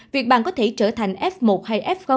việc bàn có thể trở thành f một hay f